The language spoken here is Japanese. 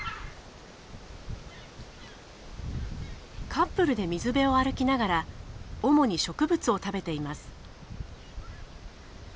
カップルで水辺を歩きながら主に植物を食べています。